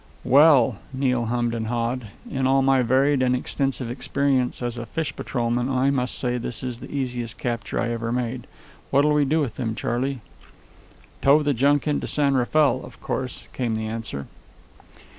"Well," Neil hummed and hawed, "in all my varied and extensive experience as a fish patrolman, I must say this is the easiest capture I ever made. What'll we do with them, Charley?" "Tow the junk into San Rafael, of course," came the answer.